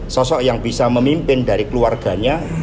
sosok yang bisa memimpin dari keluarganya